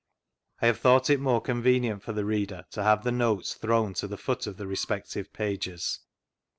I have thought it more convenient for th^ reader to have the notes thrown to the foot of the respective pages.